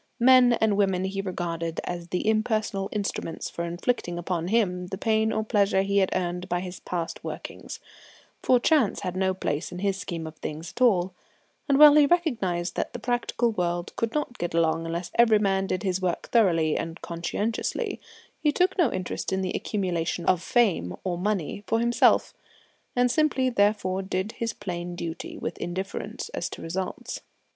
Men and women he regarded as the impersonal instruments for inflicting upon him the pain or pleasure he had earned by his past workings, for chance had no place in his scheme of things at all; and while he recognised that the practical world could not get along unless every man did his work thoroughly and conscientiously, he took no interest in the accumulation of fame or money for himself, and simply, therefore, did his plain duty, with indifference as to results.